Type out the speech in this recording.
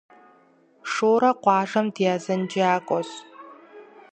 Шорэ къуажэм ди азэнджакӏуэщ.